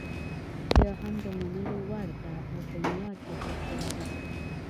بیا هم د منلو وړ ده او په معیار کې داخله ده.